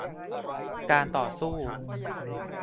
การต่อสู้